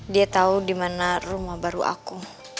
dia tau dimana rumah baru aku